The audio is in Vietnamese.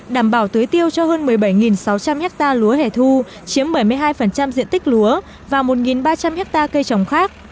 đảm bảo tưới tiêu cho hơn một mươi bảy sáu trăm linh ha lúa hẻ thu chiếm bảy mươi hai diện tích lúa và một ba trăm linh hectare cây trồng khác